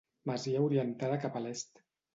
Masia orientada cap a l'est.